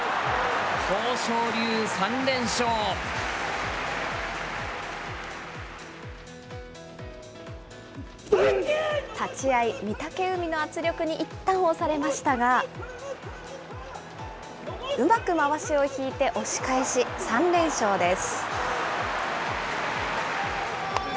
豊昇龍、立ち合い、御嶽海の圧力にいったん押されましたが、うまくまわしを引いて押し返し、３連勝です。